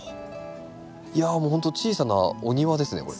いやもうほんと小さなお庭ですねこれ。